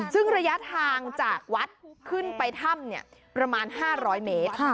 ซึ่งระยะทางจากวัดขึ้นไปถ้ำประมาณ๕๐๐เมตร